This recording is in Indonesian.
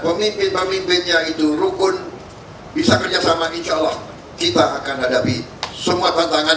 pemimpin pemimpin yaitu rukun bisa kerjasama insyaallah kita akan hadapi semua tantangan